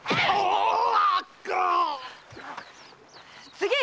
次！